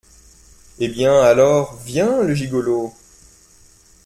Eh bien, alors, viens, le gigolo !